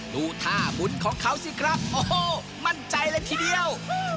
ดูท่าบุญของเขาสิครับโอ้โหมั่นใจเลยทีเดียว